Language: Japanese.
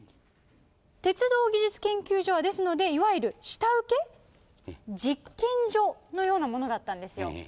鉄道技術研究所はですのでいわゆる下請け実験所のようなものだったんですよ。